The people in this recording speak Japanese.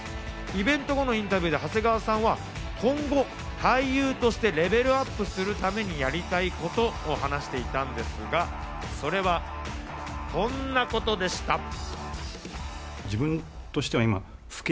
イベント後のインタビューで長谷川さんは今後、俳優としてレベルアップするためにやりたいことを話していたんですが、それはこんなことでした。